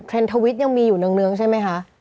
เทรนด์ทวิทย์ยังมีอยู่เนื้องใช่มั้ยคะ